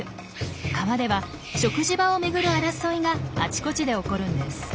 川では食事場を巡る争いがあちこちで起こるんです。